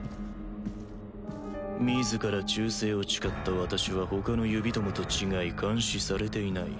・自ら忠誠を誓った私は他の指どもと違い監視されていない